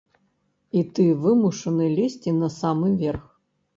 І ты вымушаны лезці на самы верх.